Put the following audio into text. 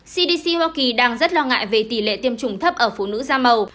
cdc hoa kỳ đang rất lo ngại về tỷ lệ tiêm chủng thấp ở phụ nữ da màu